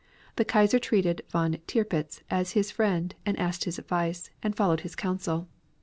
The Kaiser treated Von Tirpitz as his friend, asked his advice, and followed his counsel.